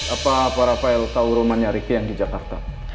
apa para file tau rumah nyariki yang di jakarta